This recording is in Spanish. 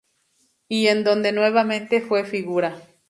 Y en donde nuevamente fue figura.